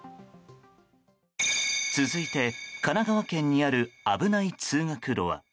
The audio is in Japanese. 続いて、神奈川県にある危ない通学路は。